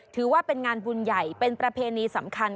ถือว่าเป็นงานบุญใหญ่เป็นประเพณีสำคัญ